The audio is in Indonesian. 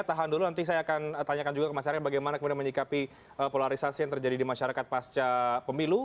tahan dulu nanti saya akan tanyakan juga ke mas arya bagaimana kemudian menyikapi polarisasi yang terjadi di masyarakat pasca pemilu